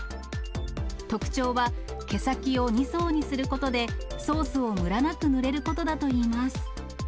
特徴は、毛先を２層にすることで、ソースをむらなく塗れることだといいます。